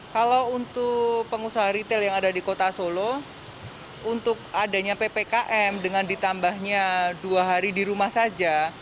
kalau untuk pengusaha retail yang ada di kota solo untuk adanya ppkm dengan ditambahnya dua hari di rumah saja